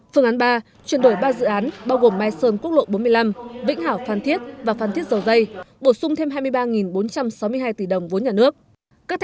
phương án ba chuyển đổi ba dự án bao gồm mai sơn quốc lộ bốn mươi năm vĩnh hảo phan thiết và phan thiết dầu dây bổ sung thêm hai mươi ba bốn trăm sáu mươi hai tỷ đồng vốn nhà nước